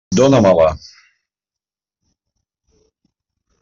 Dóna-me-la.